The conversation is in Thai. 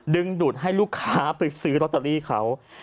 ดึงดูดให้ลูกค้าไปซื้อลอตเตอรี่เขา